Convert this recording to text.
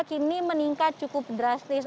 kini meningkat cukup drastis